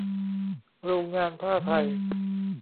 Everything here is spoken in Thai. โรงงานผ้าไทย